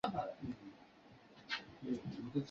旋转木马或回转木马是游乐场机动游戏的一种。